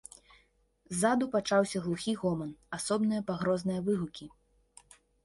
Ззаду пачаўся глухі гоман, асобныя пагрозныя выгукі.